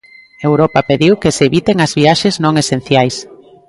Europa pediu que se eviten as viaxes non esenciais.